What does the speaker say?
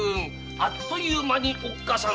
あっと言う間におっかさん。